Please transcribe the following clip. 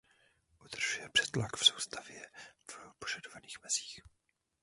Udržuje přetlak v soustavě v požadovaných mezích.